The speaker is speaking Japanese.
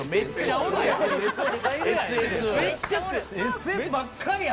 ＳＳばっかりやんけ！